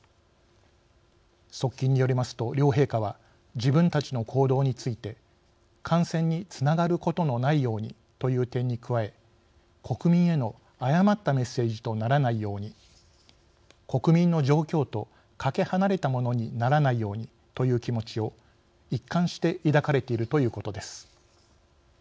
側近によりますと両陛下は自分たちの行動について「感染につながることのないように」という点に加え「国民への誤ったメッセージとならないように」「国民の状況とかけ離れたものにならないように」という気持ちを一貫して抱かれているということです。